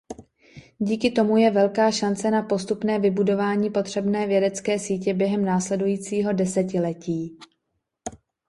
Díky tomu je velká šance na postupné vybudování potřebné vědecké sítě během následujícího desetiletí.